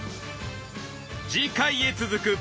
次回へ続く！